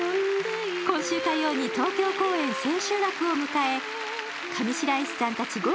今週火曜に東京公演千秋楽を迎え上白石さんたち